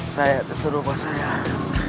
saya terseru pak sayang